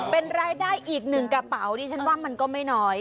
เป็นรายได้อีกหนึ่งกระเป๋าดิฉันว่ามันก็ไม่น้อย